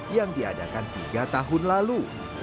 yang diadakan tiga tahun lalu